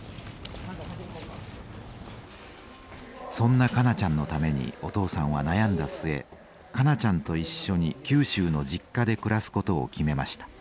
そんな香菜ちゃんのためにお父さんは悩んだ末香菜ちゃんと一緒に九州の実家で暮らすことを決めました。